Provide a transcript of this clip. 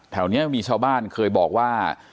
แถวนี้มีชาวบ้านเคยบอกว่า